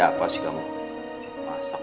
ntar kita ke rumah sakit